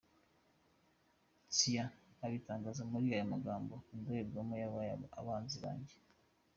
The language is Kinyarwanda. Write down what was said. Tsia abitangaza muri aya magambo « Indorerwamo zabaye abanzi banjye.